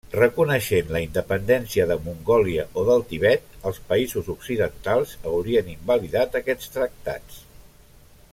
Reconeixent la independència de Mongòlia o del Tibet, els països occidentals haurien invalidat aquests tractats.